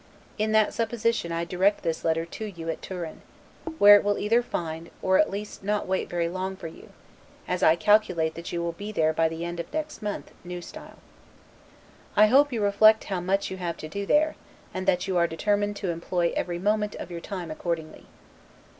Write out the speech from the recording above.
In that supposition I direct this letter to you at Turin; where it will either find, or at least not wait very long for you, as I calculate that you will be there by the end of next month, N. S. I hope you reflect how much you have to do there, and that you are determined to employ every moment of your time accordingly.